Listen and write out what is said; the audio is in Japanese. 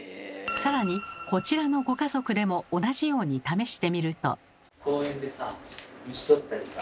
更にこちらのご家族でも同じように試してみると。